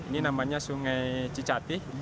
ini namanya sungai cicatih